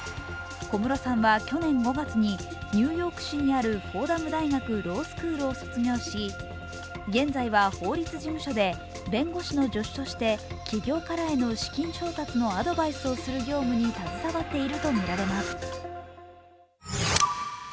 小室さんは去年５月にニューヨーク市にあるフォーダム大学ロースクールを卒業し、現在は法律事務所で弁護士の助手として企業からへの資金調達のアドバイスをする業務に携わっているとみられます。